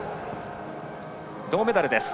銅メダルです。